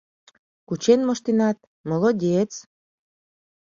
Кучен моштенат, молодец!